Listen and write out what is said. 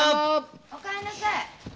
・おかえんなさい。